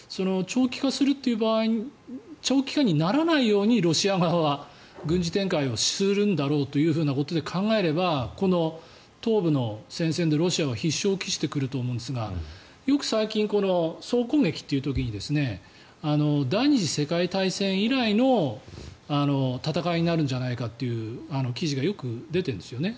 だから、長期化にならないようにロシア側は軍事展開をするんだろうということで考えればこの東部の戦線でロシアは必勝を期してくると思うんですがよく最近、総攻撃という時に第２次世界大戦以来の戦いになるんじゃないかという記事がよく出てるんですよね。